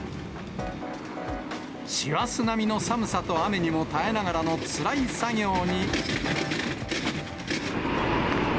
師走並みの寒さと雨にも耐えながらのつらい作業に。